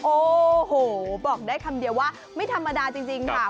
โอ้โหบอกได้คำเดียวว่าไม่ธรรมดาจริงค่ะ